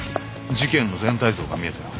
事件の全体像が見えたよ。